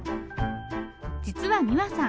実は美和さん